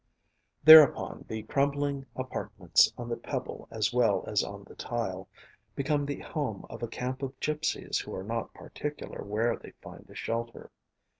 Thereupon the crumbling apartments, on the pebble as well as on the tile, become the home of a camp of gypsies who are not particular where they find a shelter.